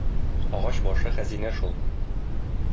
Агач башы хәзинә шул